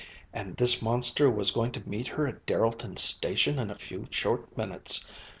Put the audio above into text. And this monster was going to meet her at Derrelton Station in a few short minutes.